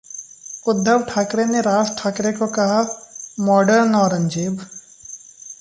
उद्धव ठाकरे ने राज ठाकरे को कहा मॉडर्न औरंगजेब